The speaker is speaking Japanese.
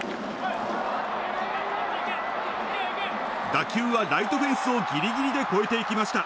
打球はライトフェンスをギリギリで越えていきました。